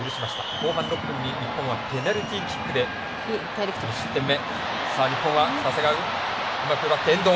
後半６分に日本はペナルティーキックで２失点目。